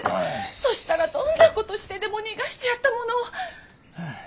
そしたらどんなことしてでも逃がしてやったものを。